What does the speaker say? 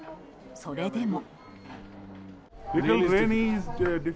それでも。